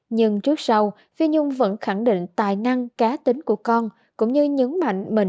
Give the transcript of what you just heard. nhưng trước sau phi nhung vẫn khẳng định tài năng cá tính của con cũng như nhấn mạnh mình